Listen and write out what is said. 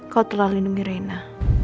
kau telah lindungi rena